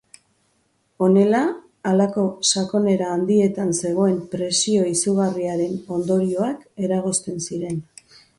Honela, halako sakonera handietan zegoen presio izugarriaren ondorioak eragozten ziren.